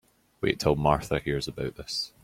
Wait till Martha hears about this.